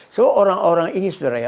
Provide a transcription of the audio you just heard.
so orang orang ini sebenarnya